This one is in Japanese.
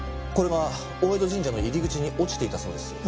これが大江戸神社の入り口に落ちていたそうです。